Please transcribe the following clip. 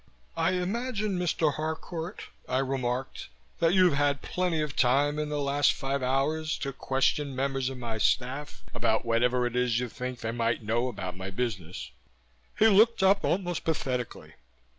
"I imagine, Mr. Harcourt," I remarked, "that you've had plenty of time in the last five hours to question members of my staff about whatever it is you think they might know about my business." He looked up, almost pathetically.